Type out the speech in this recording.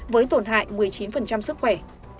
với tổn hại một mươi chín sức khỏe